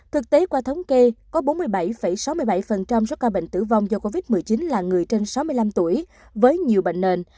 thực tế qua thống kê có bốn mươi bảy sáu mươi bảy số ca bệnh tử vong do covid một mươi chín là người trên sáu mươi năm tuổi với nhiều bệnh nền